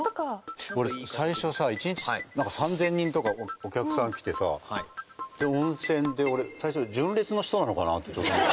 俺最初さ一日３０００人とかお客さん来てさで温泉で俺最初純烈の人なのかなって。